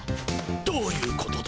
どういうことだ？